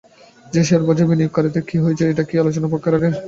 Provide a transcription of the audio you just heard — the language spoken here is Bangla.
সে শেয়ারবাজার আর বিনিয়োগকারীদের কী হয়েছে, এটা কি আলোচনার অপেক্ষা রাখে?